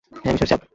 হ্যাঁ, মিশরা সাব।